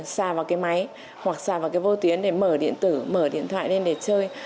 xà vào cái máy hoặc xà vào cái vô tuyến để mở điện tử mở điện thoại lên để chơi